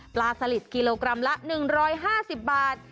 สลิดกิโลกรัมละ๑๕๐บาท